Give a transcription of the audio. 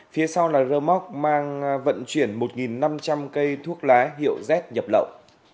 phía sau là rơ móc mang vận chuyển một năm trăm linh cây thuốc lá hiệu z nhập lậu